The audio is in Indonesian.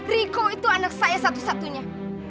riko itu anak saya satu satunya